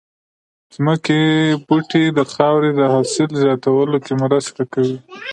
ځمکې بوټي د خاورې د حاصل زياتولو کې مرسته کوي